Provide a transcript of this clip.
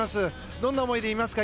どんな思いでいますか？